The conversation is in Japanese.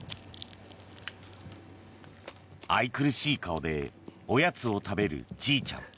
愛くるしい顔でおやつを食べるちいちゃん。